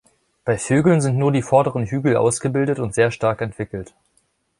Bei Vögeln sind nur die vorderen Hügel ausgebildet und sehr stark entwickelt.